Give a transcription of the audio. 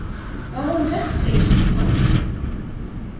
Waarom rechtstreekse toegang?